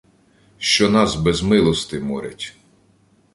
Що нас без милости морять.